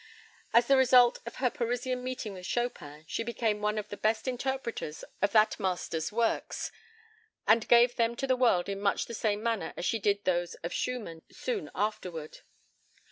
As the result of her Parisian meeting with Chopin, she became one of the best interpreters of that master's works, and gave them to the world in much the same manner that she did those of Schumann soon afterward.